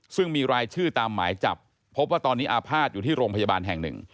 ซึ่งมีรายชื่อตามหมายจับพบว่าตอนนี้อาภาษณ์อยู่ที่โรงพยาบาลแห่งหนึ่ง